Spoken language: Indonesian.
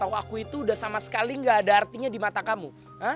waktu aku itu udah sama sekali gak ada artinya di mata kamu